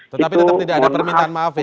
tetapi tetap tidak ada permintaan maaf ya